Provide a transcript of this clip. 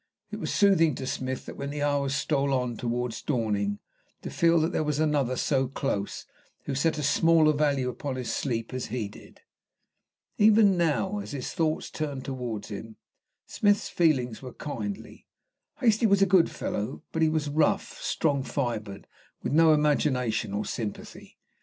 It was soothing to Smith when the hours stole on towards dawning to feel that there was another so close who set as small a value upon his sleep as he did. Even now, as his thoughts turned towards him, Smith's feelings were kindly. Hastie was a good fellow, but he was rough, strong fibred, with no imagination or sympathy.